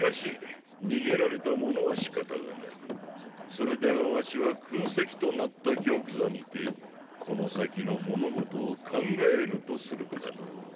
それでは儂は空席となった玉座にてこの先の物事を考えるとするかのォ。